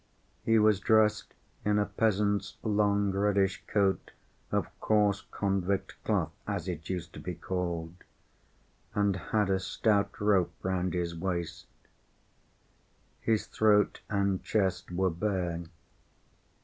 He was dressed in a peasant's long reddish coat of coarse convict cloth (as it used to be called) and had a stout rope round his waist. His throat and chest were bare.